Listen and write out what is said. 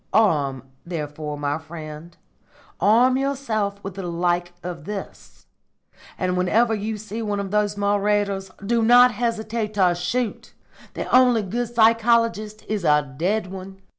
Arm, therefore, my friend arm yourself with the like of this; and whenever you see one of those marauders, do not hesitate to shoot! The only good psychologist is a dead one."